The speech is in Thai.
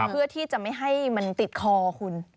เพื่อที่จะไม่ให้มันติดคอคุณ